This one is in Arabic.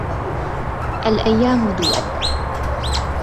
الأيام دول